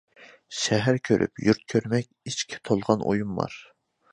شەھەر كۆرۈپ يۇرت كۆرمەك، ئىچكە تولغان ئويۇم بار.